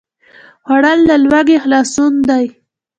خوړل له لوږې خلاصون دی